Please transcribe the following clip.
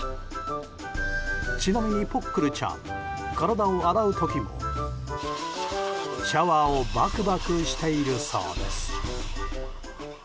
ちなみにポックルちゃん体を洗う時もシャワーをバクバクしているそうです。